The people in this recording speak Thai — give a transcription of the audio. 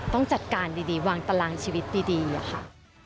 ต้องจัดการดีวางตารางชีวิตดีค่ะ